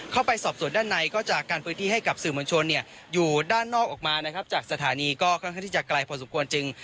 เข้าไปสอบส่วนด้านในก็จากการพื้นที่ให้กับสื่อมวลชนอยู่ด้านนอกออกมานะครับจากสถานีก็ค่อนข้างที่จะไกลพอสมควรจึง